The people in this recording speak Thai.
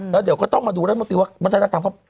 แล้วเดี๋ยวก็ต้องมาดูรัฐมนตรีว่ามันจะทำ